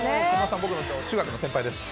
僕の中学の先輩です。